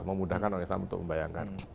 memudahkan orang islam untuk membayangkan